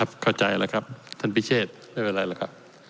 เข้าใจแล้วครับท่านพิเชษไม่เป็นไรแล้วครับ